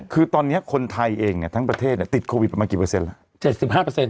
คือตอนนี้คนไทยเองทั้งประเทศติดโควิดประมาณกี่เปอร์เซ็นแล้ว